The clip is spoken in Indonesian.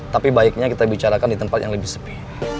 tapi baiknya kita bicarakan di tempat yang lebih sepi